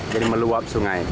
jadi meluap sungai